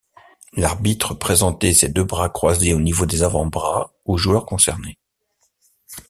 L'arbitre présentait ses deux bras croisés au niveau des avant-bras au joueur concerné.